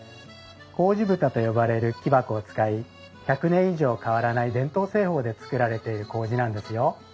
麹蓋と呼ばれる木箱を使い１００年以上変わらない伝統製法で作られている麹なんですよ。